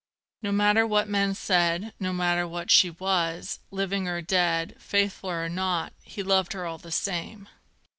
No matter what men said, No matter what she was; living or dead, Faithful or not, he loved her all the same.